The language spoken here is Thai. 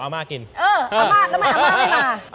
อ่ามาทำไมอ่าม่ามันไม่มา